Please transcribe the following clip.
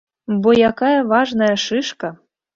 Во якая важная шышка!